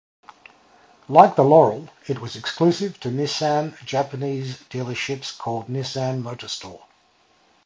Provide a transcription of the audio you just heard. Like the Laurel, it was exclusive to Nissan Japanese dealerships called Nissan Motor Store.